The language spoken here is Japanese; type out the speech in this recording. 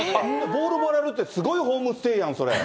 ボールもらえるって、すごいホームステイやん、それ。